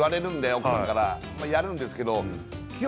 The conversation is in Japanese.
奥さんからやるんですけど基本